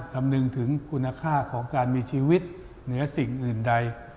คำนึงถึงคุณค่าของการมีชีวิตเหนือสิ่งอื่นใด